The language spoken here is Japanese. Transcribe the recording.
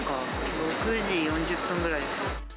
６時４０分ぐらいです。